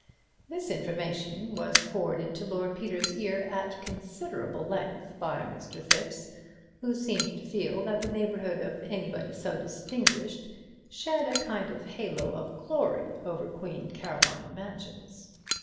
This information was poured into Lord Peter's ear at considerable length by Mr. Thipps, who seemed to feel that the neighbourhood of anybody so distinguished shed a kind of halo of glory over Queen Caroline Mansions.